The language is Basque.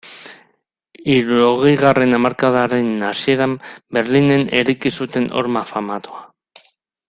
Hirurogeigarren hamarkadaren hasieran Berlinen eraiki zuten horma famatua.